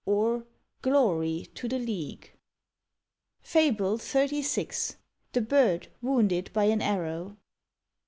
or, "Glory to the League!" FABLE XXXVI. THE BIRD WOUNDED BY AN ARROW.